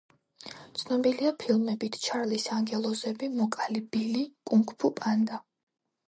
ცნობილია ფილმებით „ჩარლის ანგელოზები“, „მოკალი ბილი“, „კუნგ-ფუ პანდა“.